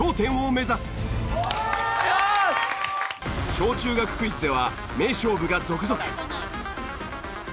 小中学クイズでは名勝負が続々。